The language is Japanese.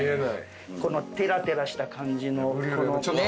このてらてらした感じのこのね。